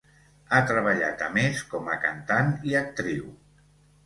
Ha treballat a més com a cantant i actriu.